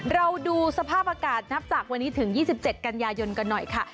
เราดูสภาพอากาศนับจากวันนี้ถึง๒๗กันยายนกันหน่อยค่ะ